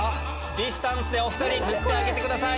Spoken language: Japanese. ディスタンスでお２人塗ってあげてください。